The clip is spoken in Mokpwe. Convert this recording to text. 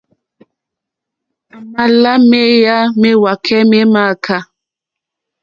À mà lá méyá méwàkɛ́ mé mááká.